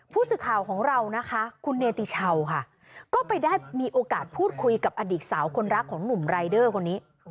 ผู้สื่อข่าวของเรานะคะคุณเนติชาวค่ะก็ไปได้มีโอกาสพูดคุยกับอดีตสาวคนรักของหนุ่มรายเดอร์คนนี้